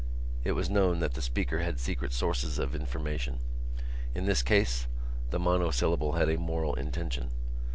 It was known that the speaker had secret sources of information. In this case the monosyllable had a moral intention.